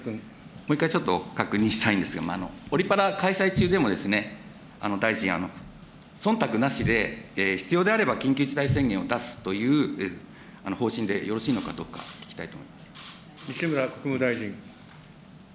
もう１回ちょっと確認したいんですが、オリパラ開催中でも、大臣、そんたくなしで、必要であれば緊急事態宣言を出すという方針でよろしいのかどうか、西村国務大臣。